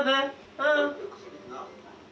うん。